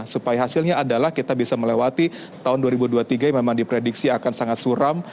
supaya hasilnya adalah kita bisa melewati tahun dua ribu dua puluh tiga yang memang diprediksi akan sangat suram